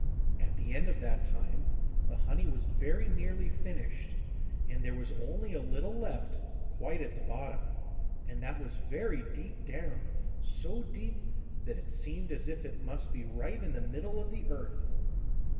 At the end of that time the honey was very nearly finished, and there was only a little left, quite at the bottom, and that was very deep down, so deep that it seemed as if it must be right in the middle of the earth.